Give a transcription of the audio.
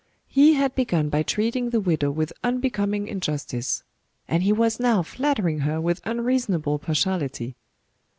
He had begun by treating the widow with unbecoming injustice; and he was now flattering her with unreasonable partiality.